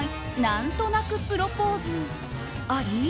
なんとなくプロポーズあり？